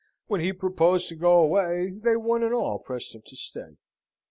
When he proposed to go away, they one and all pressed him to stay.